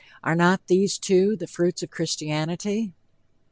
Are not these, too, the fruits of Christianity?